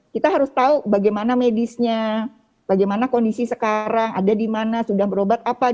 kita harus tahu bagaimana medisnya bagaimana kondisi sekarang ada di mana sudah berobat apa